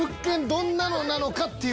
どんなのなのかって。